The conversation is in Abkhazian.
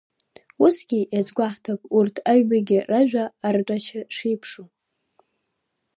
Усгьы иазгәаҳҭап арҭ аҩбагьы ражәа артәашьа шеиԥшу.